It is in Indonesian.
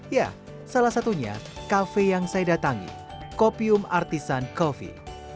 ya salah satunya kafe yang saya datangi kopium artisan coffee